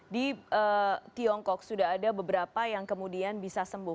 di tiongkok sudah ada beberapa yang kemudian bisa sembuh